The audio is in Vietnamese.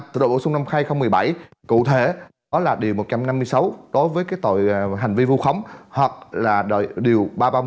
tựa đội bổ sung năm hai nghìn một mươi bảy cụ thể đó là điều một trăm năm mươi sáu đối với tội hành vi vu khống hoặc là điều ba trăm ba mươi một